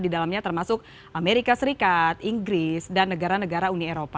selamat siang mbak farhan